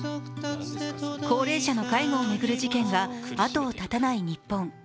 高齢者の介護を巡る事件が後を絶たない日本。